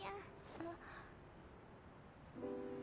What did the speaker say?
あっ。